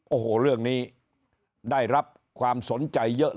โอ้โหเรื่องนี้ได้รับความสนใจเยอะ